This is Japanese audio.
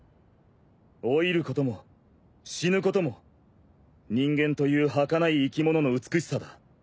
老いることも死ぬことも人間というはかない生き物の美しさだ。